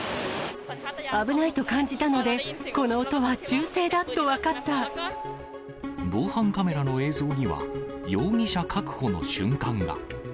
危ないと感じたので、この音防犯カメラの映像には、容疑者確保の瞬間が。